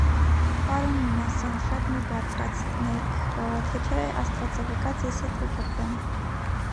- Պարոն Մինասյան, շատ մի բարկացնեք, թե չէ, աստված է վկա, ձեզ հետ կկռվեմ: